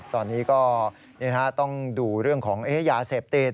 ตอนนี้ก็ต้องดูเรื่องของยาเสพติด